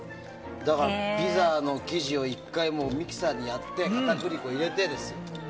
だから、ピザの生地を１回ミキサーでやって片栗粉入れてですよ。